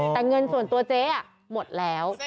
แต่เงินส่วนตัวเจ๊หมดแล้ว